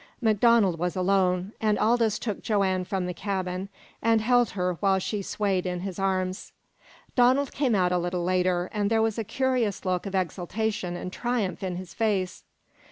MacDonald was alone, and Aldous took Joanne from the cabin, and held her while she swayed in his arms. Donald came out a little later, and there was a curious look of exultation and triumph in his face.